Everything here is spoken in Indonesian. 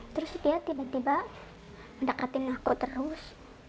terus dia tiba tiba mendekatin aku terus